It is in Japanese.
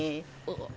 あっ。